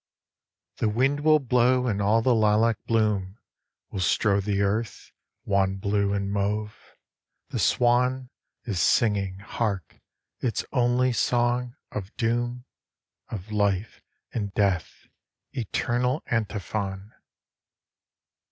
The wind will blow and all the lilac bloom Will strow the earth, wan blue and mauve ; the swan Is singing, hark ! its only song of doom, Of Life and Death, eternal antiphon.